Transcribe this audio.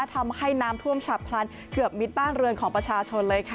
ทำให้น้ำท่วมฉับพลันเกือบมิดบ้านเรือนของประชาชนเลยค่ะ